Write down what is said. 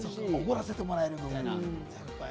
おごらせてもらえるみたいな。